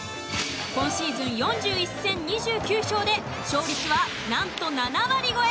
今シーズン４１戦２９勝で勝率はなんと７割超え。